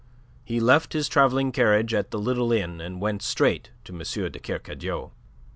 He left his travelling carriage at the little inn and went straight to M. de Kercadiou.